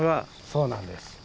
そうなんです。